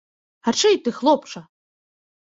А чый ты, хлопча?